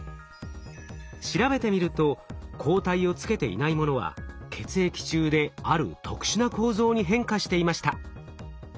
調べてみると抗体をつけていないものは血液中である特殊な構造に変化していました。